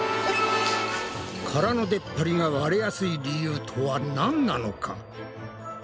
殻のでっぱりが割れやすい理由とはなんなのか？